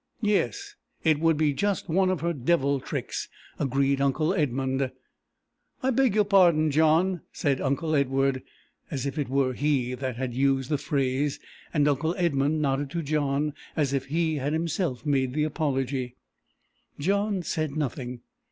"Yes it would be just one of her devil tricks!" agreed uncle Edmund. "I beg your pardon, John," said uncle Edward, as if it were he that had used the phrase, and uncle Edmund nodded to John, as if he had himself made the apology. John said nothing.